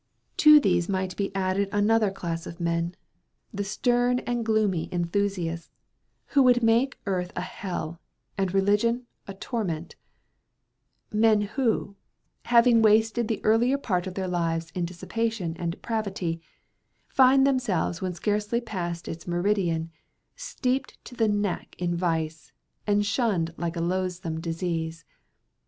To these may be added another class of men—the stern and gloomy enthusiasts, who would make earth a hell, and religion a torment: men who, having wasted the earlier part of their lives in dissipation and depravity, find themselves when scarcely past its meridian, steeped to the neck in vice, and shunned like a loathsome disease.